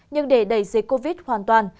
nhưng để đẩy dịch covid hoàn toàn